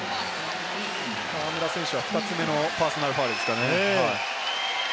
河村選手は２つ目のパーソナルファウルですかね。